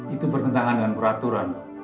itu bertentangan dengan peraturan